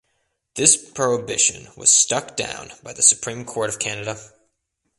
This prohibition was stuck down by the Supreme Court of Canada.